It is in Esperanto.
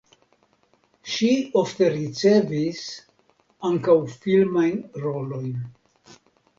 Ŝi ofte ricevis ankaŭ filmajn rolojn.